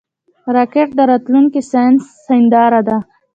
راکټ د راتلونکي ساینس هنداره ده